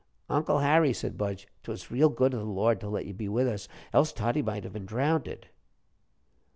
"Uncle Harry," said Budge, "'twas real good of the Lord to let you be with us, else Toddie might have been drownded."